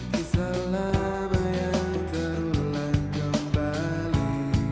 kisah lama yang terulang kembali